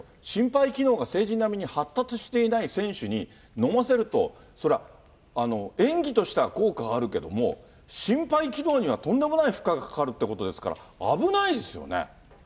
心肺機能が成人並みに発達していない選手に飲ませると、それは演技としては効果があるけれども、心肺機能にはとんでもない負荷がかかるということですから、危ないですよね。